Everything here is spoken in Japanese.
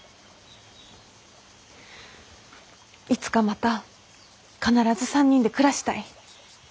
いつかまた必ず３人で暮らしたい。